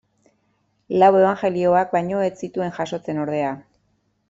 Lau Ebanjelioak baino ez zituen jasotzen, ordea.